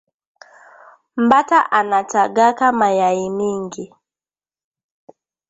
Mbata anatagaka mayayi mingi